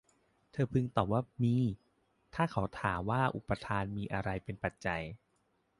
เธอพึงตอบว่า มี ถ้าเขาถามว่า อุปาทานมีอะไรเป็นปัจจัย